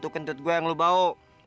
itu kentut gua yang lu bau